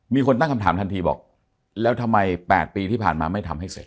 มีคนตั้งคำถามทันทีบอกแล้วทำไม๘ปีที่ผ่านมาไม่ทำให้เสร็จ